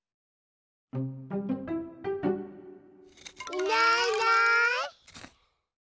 いないいない。